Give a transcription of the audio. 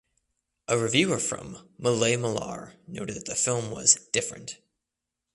A reviewer from "Maalai Malar" noted that the film was "different".